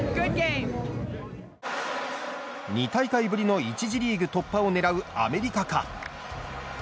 ２大会ぶりの１次リーグ突破を狙うアメリカか。